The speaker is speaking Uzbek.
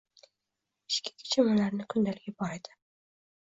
Ichki kechinmalarini kundaligi bor edi.